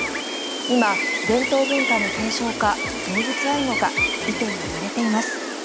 今、伝統文化の継承か動物愛護か意見が割れています。